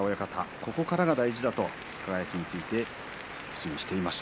ここからが大事だと輝について口にしていました。